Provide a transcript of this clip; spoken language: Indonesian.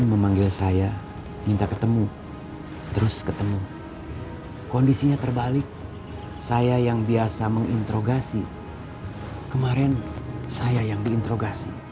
mengintrogasi kemarin saya yang diintrogasi